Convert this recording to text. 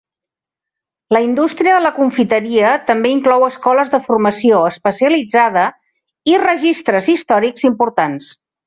La indústria de la confiteria també inclou escoles de formació especialitzada i registres històrics importants.